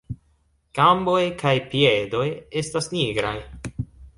Gamboj kaj piedoj estas nigraj.